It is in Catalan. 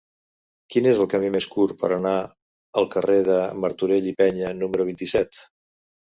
Quin és el camí més curt per anar al carrer de Martorell i Peña número vint-i-set?